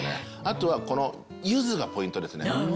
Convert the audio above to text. あとはこのゆずがポイントですね。